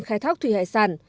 khai thác thủy hải sản